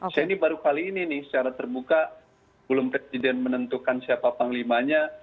saya ini baru kali ini nih secara terbuka belum presiden menentukan siapa panglimanya